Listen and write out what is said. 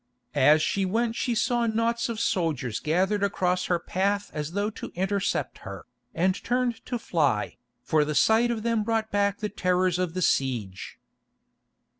As she went she saw knots of soldiers gathered across her path as though to intercept her, and turned to fly, for the sight of them brought back the terrors of the siege.